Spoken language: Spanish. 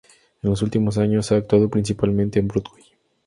En los últimos años ha actuado principalmente en Broadway.